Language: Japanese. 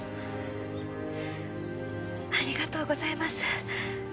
ありがとうございます。